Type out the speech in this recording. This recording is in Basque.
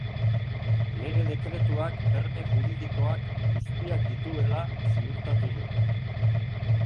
Lege-dekretuak berme juridikoak guztiak dituela ziurtatu du.